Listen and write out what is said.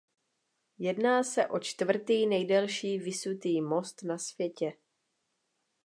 Jedná se o čtvrtý nejdelší visutý most na světě.